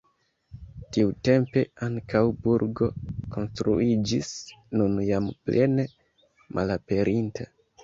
Tiutempe ankaŭ burgo konstruiĝis, nun jam plene malaperinta.